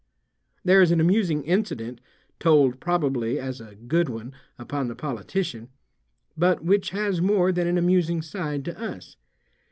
There is an amusing incident, told probably as a "good one" upon the politician, but which has more than an amusing side to us.